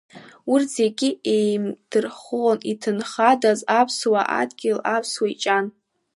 Урҭ зегьы еимдырххон иҭынхадахаз аԥсуа идгьыл, аԥсуа иҷан.